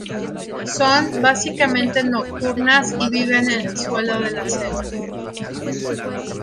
Son básicamente nocturnas y viven en el suelo de la selva.